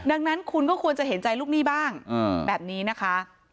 ดังนั้นคุณก็ควรจะเห็นใจลูกหนี้บ้างแบบนี้นะคะ